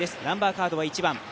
ナンバーカードは１番。